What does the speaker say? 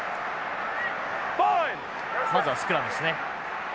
まずはスクラムですね。